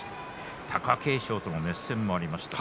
貴景勝との熱戦もありましたし